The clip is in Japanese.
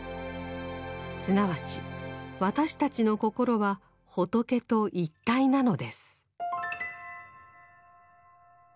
すなわち私たちの心は仏と一体なのです。